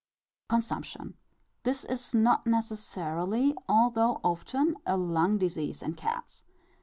Consumption. This is not necessarily, although often, a lung disease in cats.